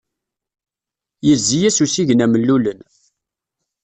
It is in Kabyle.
Yezzi-as usigna mellulen.